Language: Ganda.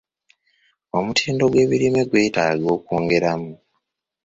Omutindo gw'ebirime gwetaaga okwongeramu.